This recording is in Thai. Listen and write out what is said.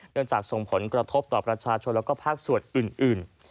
จากส่งผลกระทบต่อประชาชนแล้วก็ภาคส่วนอื่น